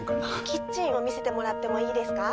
キッチンを見せてもらってもいいですか？